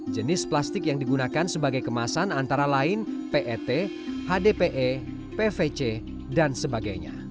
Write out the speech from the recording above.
jenis plastik yang digunakan sebagai kemasan antara lain pet hdpe pvc dan sebagainya